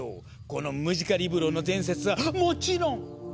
この「ムジカリブロ」の伝説はもちろんご存じよね？